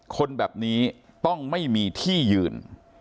คนแบบนี้ต้องไม่มีที่ยืน